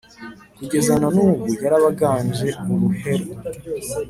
kugeza na n’ubu yarabaganje uruhenu.